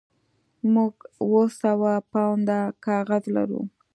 موږ اوه سوه پونډه کاغذ لرو